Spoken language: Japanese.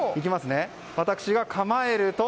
私が構えると。